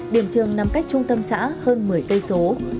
điểm trường nằm cách trung tâm xã hơn một mươi cây số